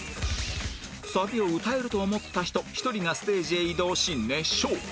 サビを歌えると思った人１人がステージへ移動し熱唱